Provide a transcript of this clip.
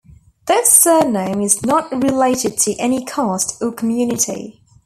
This surname is not related to any cast or community.